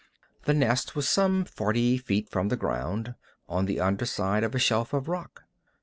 The nest was some forty feet from the ground, on the undersurface of a shelf of rock.